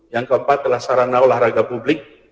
yang keempat adalah sarana olahraga publik